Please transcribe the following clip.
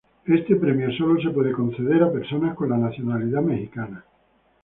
Este premio solo puede ser concedido a personas con la nacionalidad mexicana.